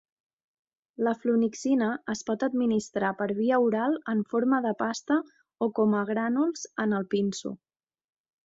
La flunixina es pot administrar per via oral en forma de pasta o com a grànuls en el pinso.